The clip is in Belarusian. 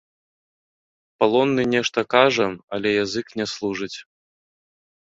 Палонны нешта кажа, але язык не служыць.